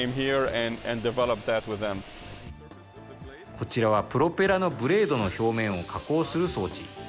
こちらはプロペラのブレードの表面を加工する装置。